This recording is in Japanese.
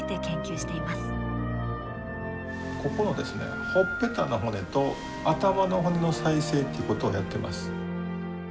ここのほっぺたの骨と頭の骨の再生ってことをやっています。